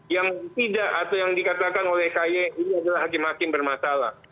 yang tidak atau yang dikatakan oleh ky ini adalah hakim hakim bermasalah